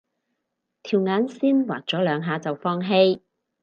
條眼線畫咗兩下就放棄